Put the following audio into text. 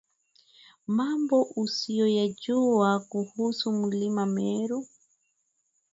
mambo usioyajua kuhusu mlima Meru